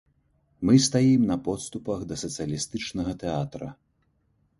Мы стаім на подступах да сацыялістычнага тэатра.